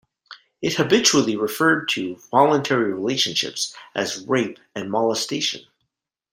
It habitually referred to voluntary relationships as "rape" and "molestation.